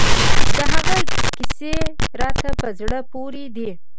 د هغه کیسې راته په زړه پورې دي.